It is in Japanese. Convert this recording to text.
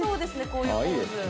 こういうポーズああ